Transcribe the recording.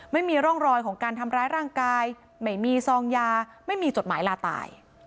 ไม่มีร่องรอยของการทำร้ายร่างกายไม่มีซองยาไม่มีจดหมายลาตาย